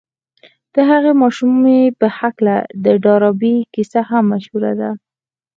د هغې ماشومې په هکله د ډاربي کيسه هم مشهوره ده.